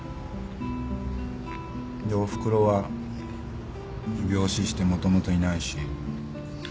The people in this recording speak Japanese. でおふくろは病死してもともといないし。